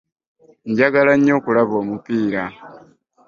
Njagala nnyo okulaba omupiira.